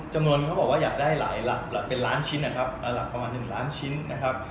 เขาบอกว่าอยากได้หลายเป็นล้านชิ้นนะครับหลักประมาณ๑ล้านชิ้นนะครับ